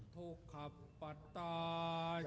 ถุกคับปัตตา